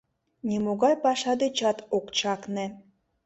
Нимогай паша дечат ок чакне.